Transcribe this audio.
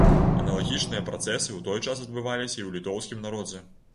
Аналагічныя працэсы ў той час адбываліся і ў літоўскім народзе.